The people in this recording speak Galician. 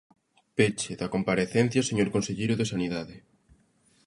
Peche da comparecencia, señor conselleiro de Sanidade.